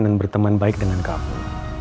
berteman baik dengan kamu